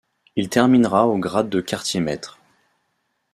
Il terminera au grade de quartier-maître.